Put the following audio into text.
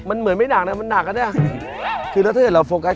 มันเหมือนไม่หนักนะมันหนักอ่ะเนี่ย